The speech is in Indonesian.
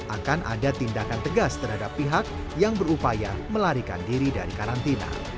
akan ada tindakan tegas terhadap pihak yang berupaya melarikan diri dari karantina